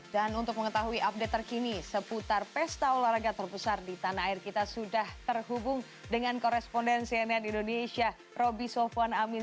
dan untuk mengetahui update terkini seputar pesta olahraga terbesar di tanah air kita sudah terhubung dengan koresponden cnn indonesia roby sofwan amin